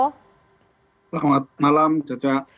selamat malam caca